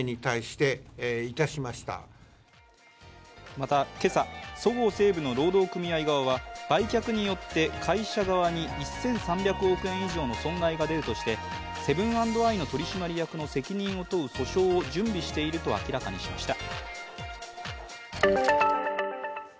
また、今朝そごう・西武の労働組合側は売却によって、会社側に１３００億円以上の損害が出るとしてセブン＆アイの取締役の責任を問う訴訟を準備していると明らかにしました。